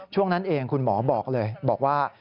ช่วงนั้นเองคุณหมอบอกเลยบอกว่า